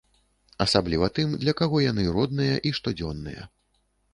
Асабліва тым, для каго яны родныя і штодзённыя.